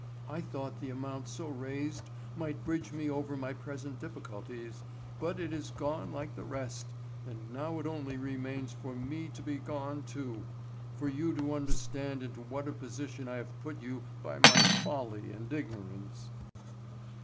"I thought the amount so raised might bridge me over my present difficulties, but it is gone like the rest, and now it only remains for me to be gone, too, for you to understand into what a position I have put you by my folly and ignorance."